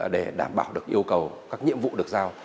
để đảm bảo được yêu cầu các nhiệm vụ được giao